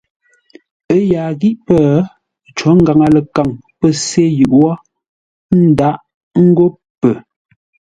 Ə́ yaa ngí pə́, cǒ ngaŋə-ləkaŋ pə̂ sê yʉʼ wó, ə́ ndǎʼ ńgó pə.